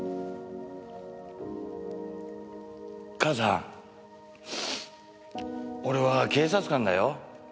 母さん俺は警察官だよ。